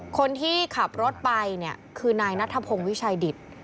คนที่ขับรถไปเนี่ยคือนายนัทพงศ์วิชัยดิต